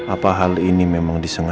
apa hal ini memang disengaja